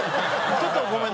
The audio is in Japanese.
ちょっとごめん。